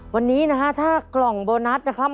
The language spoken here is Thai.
วันนี้นะฮะถ้ากล่องโบนัสนะครับ